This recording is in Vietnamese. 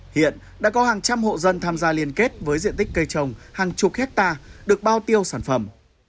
hiện đã có hàng trăm hộ dân tham gia liên kết với diện tích cây trồng hàng chục hectare được bao tiêu sản phẩm